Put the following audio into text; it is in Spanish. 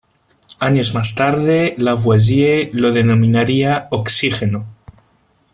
Años más tarde Lavoisier lo denominaría "oxígeno".